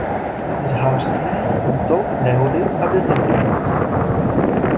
Žhářství, Útok, Nehody a Dezinformace.